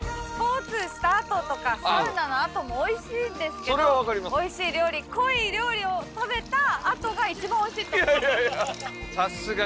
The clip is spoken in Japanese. スポーツしたあととかサウナのあともおいしいんですけどおいしい料理濃い料理を食べたあとが一番おいしいと思います。